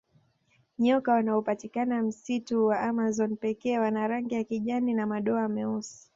Nyoka wanaopatikana msitu wa amazon pekee wana rangi ya kijani na madoa meusi